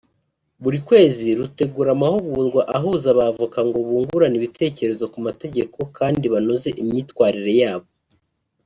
buri kwezi rutegura amahugurwa ahuza abavoka ngo bungurane ibitekerezo ku mategeko kandi banoze imyitwarire yabo